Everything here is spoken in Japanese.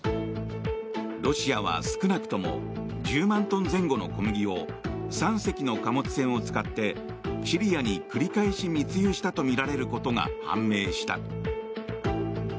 ロシアは少なくとも１０万トン前後の小麦を３隻の貨物船を使ってシリアに繰り返し密輸したとみられることが判明した。